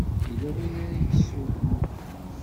Yella win ay isuɣen.